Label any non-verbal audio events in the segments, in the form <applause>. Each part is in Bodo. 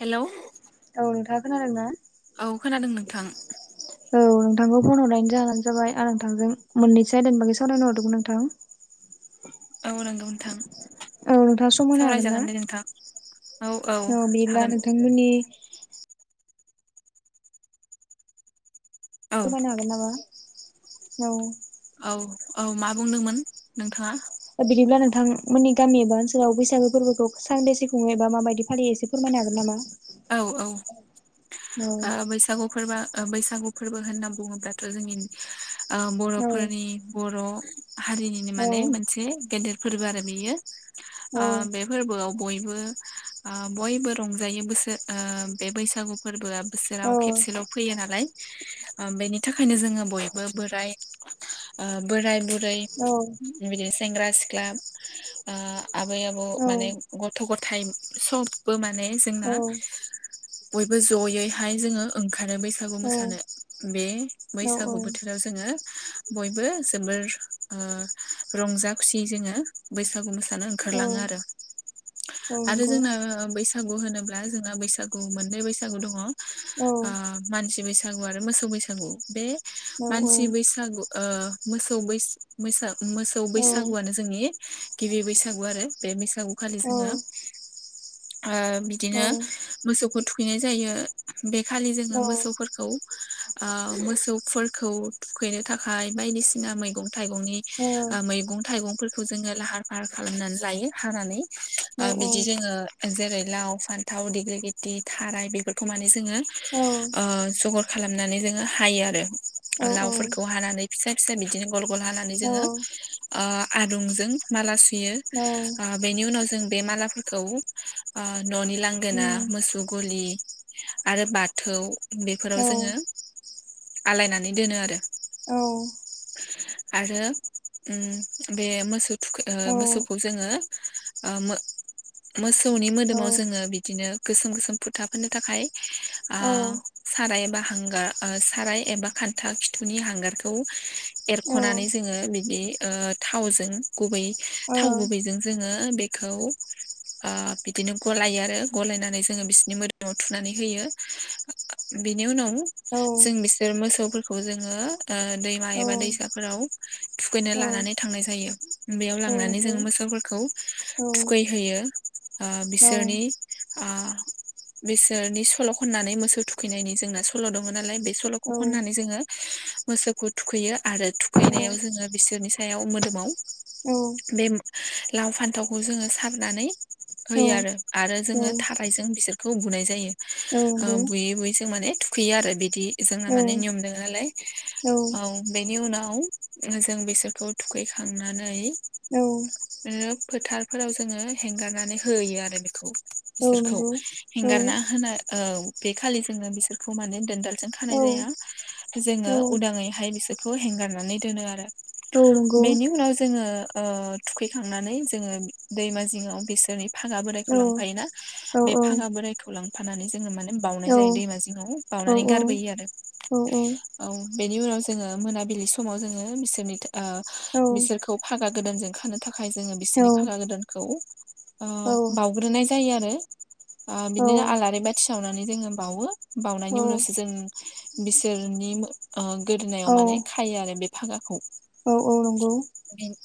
हेलौ। औ नोंथाङा खोनादों ना। औ खोनादों नोंथां। औ नोंथांखौ फन हरनायनि जाहानो जाबाय आं नोंथांजों मोननैसो आयदानि बागै सावरायनो हरदोंमोन नोंथां। औ नंगौ नोंथां। औ नोंथाङा सम होनो हागोन ना? सावरायजागोन दे नोंथां औ औ हागोन। मनि <unintelligible> औ फोरमायनो हागोन नामा औ। औ औ मा बुंदोंमोन नोंथाङा। बिदिब्ला नोंथांमोननि गामि एबा ओनसोलाव बैसागो फोरबोखौ सानदे सिुङ एबा माबायदि फालियो एसे फोरमायनो हागोन नामा। औ औ औ ओ बैसागु फोरबा बैसागु फोरबो होनना बुङोब्लाथ' जोंनि ओ औ बर'फोरनि बर' हारिनिनो औ माने मोनसे गेदेर फोरबो आरो बियो बे फोरबोआव बयबो आ बयबो रंजायो बोसो ओ‌ बे बैसागु फोरबोआ औ बोसोराव खेबसेल' फैयो नालाय। बेनि थाखायनो जोङो बयबो बोराय ओ बोराय ओमफ्राय औ बिदि सेंग्रा सिख्ला ओ आबै आबौ औ माने गथ' गथाइ सबबो माने जोंना बयबो जयैहाय जोङो ओंखारो बैसागु औ मोसानो बे बैसागु बोथोराव जों जोङो बयबो जोबोर ओ रंजा खुसि जोङो बैसागु मोसानो औ ओंखारलाङो आरो औ आरो नंगौ जोंना बैसागु होनोब्ला दा जोंना बैसागु मोननै बैसागु दङ ओ औ मानसि बैसागु आरो मोसौ बैसागु बे औ मानसि बैसागु ओ मोसौ बैस मैसा मोसौ औ बैसागुआनो जोंनि गिबि बैसागु आरो बे बैसागु खालि जोङो ओ बिदिनो मोसौखो थुखैनाय जायो। बे खालि जोङो औ मोसौफोरखौ मोसौफोरखौ थुखैनो थाखाय बायदिसिना मैगं थाइगंनि औ ओ मैगं थाइगंफोरखौ जोङो लाहार फाहार खालामनानै लायो हानानै। औ ओ बिदि जोङो जेरै लाव फान्थाव डिग्लि गिथि थाराय बेफोरखौ माने जोङो औ ओ जगर खालामनानै जोङो हायो आरो औ लावफोरखौ हानानै फिसा फिसा बिदिनो गल गल हानानै औ जोङो आदुंजों माला सुयो बेनि उनाव जों बे मालाफोरखौ न'नि लांगोना मोसौ गलि आरो बाथौ बेफोराव जोङो आलायनानै दोनो आरो। औ आरो बे मोसौ थुख मोसौखौ जोङो मोसौनि औ मोदोमाव जो ङो बिदिनो गोसोम गोसोम फोथा फोननो थाखाय औ साराय एबा हांगार साराय एबा खान्था खिथुनि हांगारखौ एरख'नानै जोङो बिदि थावजों गुबै थाव गुबैजों जोङो ओ बेखौ ओ बिदिनो गलायो आरो गलायनानै जोङो बिसोरनि मोदोमाव थुनानै होयो बेनि उनाव जों बिसोर मोसौ जोङो ओ दै मा एबा दैसा फोराव थुखैनो औ लानानै थांनाय जायो बेयाव लांनानै नंगौ जों मोसौखौ थुखैहोयो ओ बिस ओ बिसोरनि सल' खननानै मोसौ थुखैनायनि जोंना सल' दङ नालाय बे स सल'खौ खनानै जोङो मोसौखौ थुखैयो आरो थुखैनायाव जोङो बिसोरनि सायाव मोदोमाव औ बे लाव फान्थावखौ जोङो सारनानै होयो आरो आरो जोङो थारायजों बिसोरखौ बुनाय जायो ओ बुयै बुयै जों माने थुखैयो आरो बिदि औ जोंना माने नियम औ दं नालाय औ। बेनि उनाव जों बिसोरखौ थुखैखांनानै औ नो फोथारफोराव जोङो हेंगारनानै होयो आरो बेखौ। बिसोरखौ हेंगारना होना औ बे खालि जोङो बिसोरखौ माने दोनदाल जों खानाय जाया जोङो उदाङैहाय बिसोरखौ हेंगारनानै दोनो आरो। बेनि उनाव जोङो ओ थुखैखांनानै जोङो दैमा जिङाव बिसोरनि फागा बोराय खौ लांफायोना बे फाङा बोरायखौ लां फानानै जोङो माने बाउनाय जायो दैमा जिङाव बावनानै गारबोयो आरो। औ बेनि उनाव जोङो मोनाबिलि समाव जोङो बिसोरनि ओ बिसोरखौ खौ फागा गोदानजों खानो थाखाय जोङो बिसोरनि फागा गोदानखौ ओ औ बावउग्रोनाय जायो आरो औ औ बिदिनो आलारि बाथि सावनानै जोङो बावो औ बाउनायनि उनावसो जों बिसोरनि मो औ गोदोनायाव माने खायो आरो बे फागाखौ। औ औ नंगौ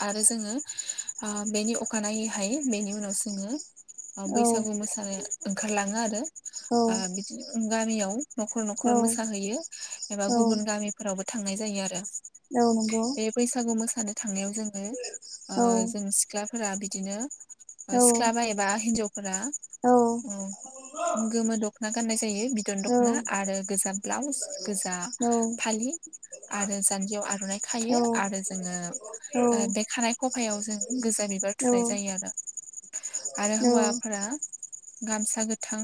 आरो जोङो बेनि अखानायैहाय बेनि उनाव जोङो औ बैसागु मोसानाय ओंखारलाङो आरो औ बिदि गामियाव। न'खर औ न'खर मोसाहैयो एबा औ गुबुन गामिफोरावबो थांनाय जायो आरो। औ नंगौ बे बैसागु मोसानो थांनायाव जोङो ओ औ जों सिख्लाफोरा बिदिनो औ सिख्लाबा एबा हिन्जावफोरा औ गोमो दख'ना गाननाय जायो बिदन औ दख'ना आरो गोजा ब्लाउस गोजा फालि। आरो जान्जियाव आर'नाइ खायो आरो जोङो बे खानाय खफायाव जों गोजा बिबार थुनाय जायो आरो। आरो हौवाफोरा गामसा गोथां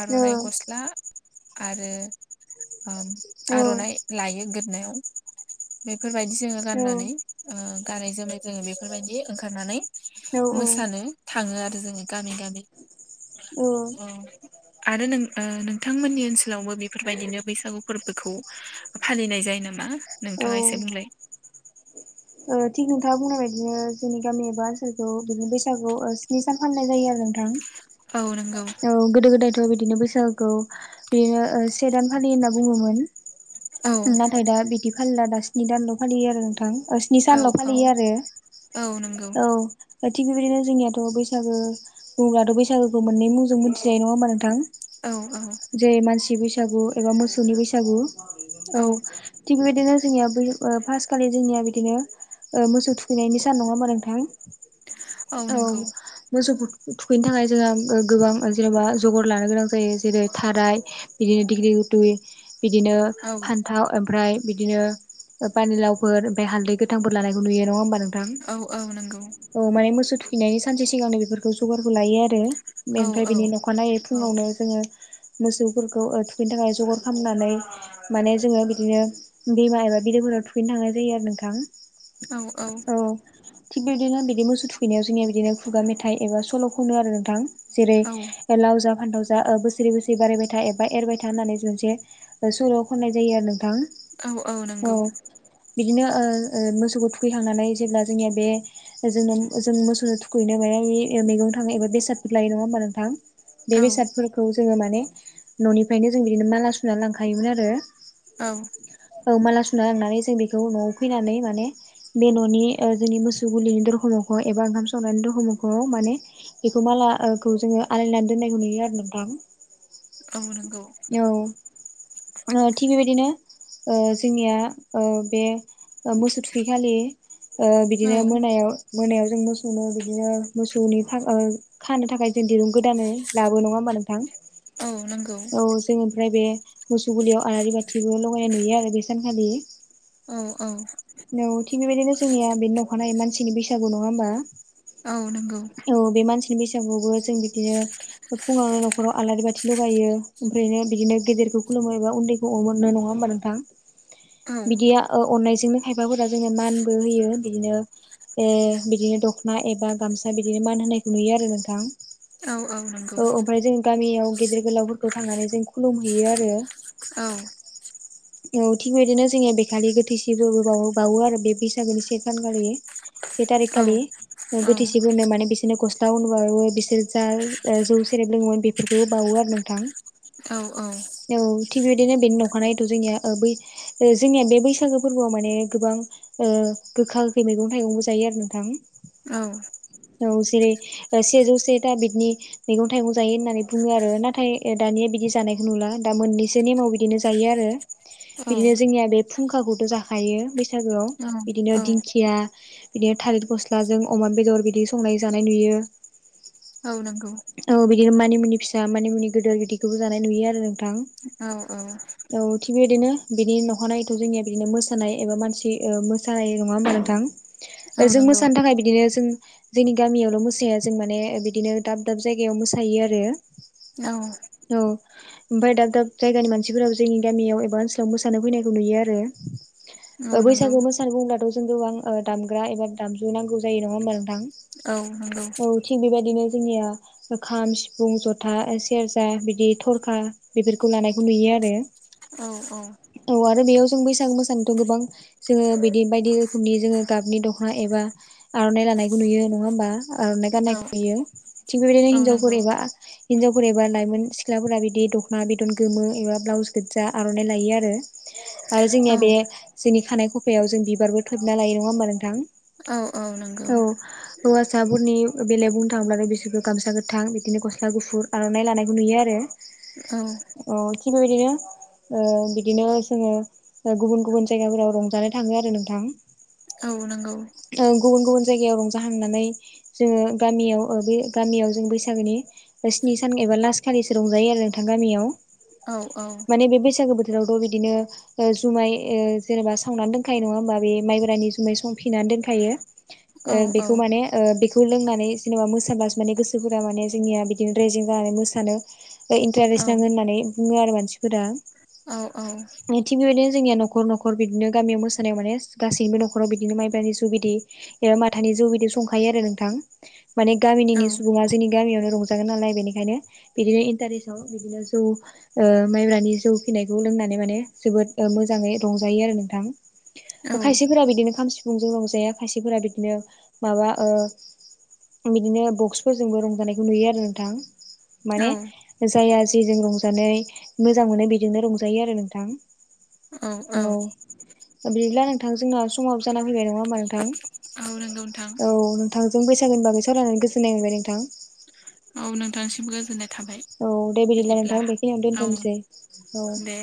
आर'नाइ गस्ला आरो ओब आर'नाइ औ लायो गोदनायाव। बेफोरबायदि जोङो औ औ गाननानै गानै जोमै जोङो बेफोरबायदि ओंखारनानै ओ मोसानो थाङो आरो जोङो गामि गामि ओं। आरो नों नोंथांमोननि ओनसोलावबो बेफोरबायदिनो बैसागु फोरबोखौ फालिनाय जायो नामा, नोंथाङा एसे बुंलाय। ओ थिग नोंथाङा बुंनाय बायदिनो जोंनि गामि एबा ओनसोलखौ बिदिनो बैसागु ओ स्नि सान फाननाय जायो आरो नोंथां। औ नंगौ। औ गोदो गोदायथ' बिदिनो बैसागुखौ बिदिनो से दान फालि होनना बुङोमोन। औ नाथाय दा बिदि फालिला दा स्नि दानल' फालियो आरो नोंथां। नि औ सानल' औ फालियो आरो औ नंगौ औ। ओ थिग बेबायदिनो जोंनियाथ' बैसागो बुङोब्लाथ' बैसागोखौ मोननै मुंजों मिथिनाय, नङा होमबा नोंथां? औ औ। जे मानसि बैसागु एबा मोसौनि बैसागु औ। थिग बेदिनो जोंनिया बै फास्ट खालि जोंनिया बिदिनो मोसौ थुखैनायनि सान नङा होनबा नोंथां? औ। मोसौ थुखैनो थाखाय जोंहा गोबां जेन'बा जगार लानो गोनां जायो जेरै थाराय बिदिनो दिग्लिगुथुइ बिदिनो औ फान्थाव ओमफ्राय बिदिनो पानिलावफोर ओमफ्राय हालदै गोथांफोर लानायखौ नुयो नङा हबा नों औ औ नंगौ। औ माने मोसौ थुखैनायनि सानसे सिगांनो बेफोरखौ जगारखौ लायो आरो। औ बेनिफ्राय औ बिनि अखानायै औ फुङावनो जोङो मोसौफोरखौ थुखैनो थाखाय जगर खामनानै माने जोङो बिदिनो दैमा एबा बिलोफोराव थुखैनो थांनाय जायो आरो नोंथां। औ औ। थिग बिदिनो बिदि मोसौ थुखैनायाव जोंनिया बिदिनो खुगा मेथाइ एबा सल' खनो आरो नोंथां। जेरै औ लाव जा फानथाव जा बोसोरै बोसोरै बारायबाय था एबा एरबाय था होननानै जों जे सुल' खननाय जायो आरो नोंथां। औ औ नंगौ। बिदिनो मोसौखौ थुखैखांनानै जेब्ला जोंनिया बे जोंनो जों मोसौनो थुखैनो म बे मैगं थाङो एबा बेसादफोर लायो नङा होमबा नोंथां? बे औ बेसादफोरखौ जोङो माने न'निफ्रायनो जों बिदिनो माला सुना लांखायोमोन आरो। ओं। औ माला सुना लांनानै जों बेखौ न'आव फैनानै माने बे न'नि जोंनि मोसौ गुलिनि दरखंखौ एबा ओंखाम संनायनि दरखंखौ माने बेखौ मालाखौ जोङो आलायनानै दोननायखौ नुयो आरो नोंथां। औ नंगौ। औ थिग बेबायदिनो ओ जोंनिया ओ बे मोसौ थुखैखाालि औ बिदिनो मोनायाव मोनायाव जों मोसौनो बिदिनो मोसौनि फागा ओ खानो थाखाय जों दिरुं गोदानै लाबो नङा होमा नोंथां? औ नंगौ। औ जोंङो ओमफ्राय बे मोसौुबलियाव आलारि बाथिबो लगायनाय नुयो आरो बे सानखालि। औ औ। औ थिग बेबायदिनो जोंनिया बे न'खानाय मानसिनि बैसागु नङा होमबा? औ नंगौ औ बे मानसिनि बैसागुआवबो जों बिदिनो फुङावनो न'खराव आलारि बाथि लगायो ओमफ्रायनो बिदिनो गेदेरखौ खुलुमो एबा उन्दै नाय नंङा हबा नोंथां औ बिदिया अननायजोंनो खायफाफोरा जोंनो मानबो होयो बिदिनो ए बिदिनो दख'ना एबा गामसा बिदिनो मान होनायखौ नुयो आरो नोंथां औ ओमफ्राय जों गामियाव गेदेर गोलावफोरखौ थांनानै जों खुलुमहैयो आरो। औ औ थिग बिदिनो जोंनिया बेखालि गोथैसिबोबो ब बावो आरो बे फैसखौनि से फान खालि से औ टारिक खालि औ गोथोसेफोरो माने बिसोरनो गस्ला होनोबाबो बिसोर जा जौ सेरेब लोंङोमोन बेफोरखौ हो बावो आरो नोंथां औ औ थिग बेबायदिनो बेनि अखानायथ' जोंनिया बै जोंनिया बे बैसागो फोरबोआव माने गोबां गोखा गोखै मैगं थाइगंबो जायो आरो नोंथां औ औ जेरै सेजौ सेथा बिदनि मैगं थाइगं जायो होननानै बुङो आरो नाथाय दानिया बिदि जानायखौ नुला दा मोननैसो नेमाव बिदिनो जायो आरो बिदिनो जोंनिया बे फुंखाखौथ' जाखायो बैसागोआव औ बिदिनो दिंखिया बिदिनो थालिर गस्लाजों अमा बेदर बिदि संनाय जानाय नुयो औ नांगौ औ बिदिनो मानिमुनि फिसा मानिमुनि गिदिर गिदिरखौबो जानाय नुयो आरो नोंथां। औ औ औ थि बेबायदिनो बिनि न'खरनायथ' जोंनिया बिदिनो मोसानाय एबा मानसि ओ मोसानाय नङा होनोमबा नोंथां आरो जों औ मोसानो थाखाय बिदिनो जों जोंनि गामियावल' मोसाया जों माने बिदिनो दाब दाब जायगायाव मोसायो आरो औ औ ओमफ्राय दाब दाब जायगानि मानसिफोराबो जोंनि गामियाव एबा ओनसोलाव मोसानो फैनायखौ नुयो आरो बैसागु मोसानो बुंङोब्लाथ खौ आं दामग्रा एबा दामजु नांगौ जायो नङा होमबा नोंथां औ थिग बेबायदिनो जोंनिया खाम सिफुं जथा सेरजा बिदि थरखा बेफोरखौ लानायखौ नुयो आरो औ औ औ आरो बेयाव जों बैसागु मोसानायथ' गोबां जोङो बिदि बायदि रोखोमनि जोङो गाबनि दख'ना एबा आर'नाइ लानायखौ नुयो नङा होमबा आर'नाइ गाननाय जुयो थिग बेबायदिनो हिनजावफोर एबा हिन्जावफोर एबा लाइमोन सिख्लाफोरा बिदि दख'ना बेदन गोमो एबा ब्लाउस गोजा आर'नाइ लायो आरो। आरो जोंनिया बे जोंनि खानाय खफायाव जों बिबारबो थोबना लायो नङा होमबा नोंथां औ। हौवासाफोरनि बेलायाव बुंनो थाङोब्लाथाय बिसोरखौ गामसा गोथां बिदिनो गस्ला गुफुर आर'नाइ लानायखौ नुयो आरो औ। अ थिग बेबायदिनो बिदिनो जोंङो गुबुन गुबुन जायगाफोराव रंजानाय थाङो आरो नोंथां औ नंगौ गुबुन गुबुन जायगायाव रंजाहांनानै जोङो गामियाव बे गामियाव जों बैसागोनि स्नि सान एबा लास खालिसो रंजायो आरो नोंथां गामियाव। माने बे बैसागो बोथोरावथ' बिदिनो जुमाय जेनेबा सावनानै दोनखायो नङा होमबा बे माइब्रानि जुमाय संफिनानै दोनखायो बेखौ माने बेखौ लोंनानै जेनेबा मोसाब्लासो माने गोसोफोरा माने जोंनिया बिदिनो रेजें जानानै मोसानो ओइ इन्टारेस्ट नाङो होननानै बुङो आरो मानसिफोरा। औ औ। थिग बेबायदिनो जोंनिया न'खर न'खर बिदिनो गामियाव मोसानायाव माने गासैबो न'खराव बिदिनो माइब्रा रुसि बिदि एबा माथानि जौ बिदि संखायो आरो नोंथां माने गामिनिनि सुबुङा जेनि गामियावनो रंजागोन नालाय बेनिखायनो बिदिनो इन्टारेस्टआव बिदिनो जौ ओ माइब्रानि जौ फिनायखौ लोंनानै माने जोबोद मोजाङै रंजायो आरो नोंथां। खायसेफोरा बिदिनो खाम सिफुंजों रंजाया खायसेफोरा बिदिनो माबा ओ बिदिनो बक्सफोरजोंबो रंजानायखौ नुयो आरो नोंथां। माने जाया जेजों रंजानानै मोजां मोनो बेजोंनो रंजायो आरो नोंथां। औ औ। ओ बिदिब्ला नोंथां जोंना समाबो जाना फैबाय नङा होमबा नोंथां? औ नोंगौ नोंथां। औ नोंथांजों बैसागोनि बागै सावरायनानै गोजोन्नाय मोनबाय नोंथां। औ नोंथांनिसिम गोजोननाय थाबाय औ दे नोंथां बिदिब्ला बेखिनियावनो औ दोनथ'नोसै औ। दे।